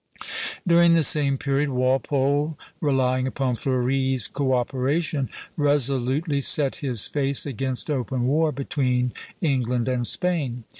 During the same period Walpole, relying upon Fleuri's co operation, resolutely set his face against open war between England and Spain.